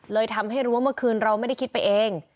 เลยทำให้รู้ว่าเมื่อคืนเราไม่ได้คิดไปเอง